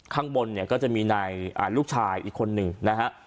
ข้างบนเนี้ยก็จะมีนายอ่าลูกชายอีกคนนึงนะฮะ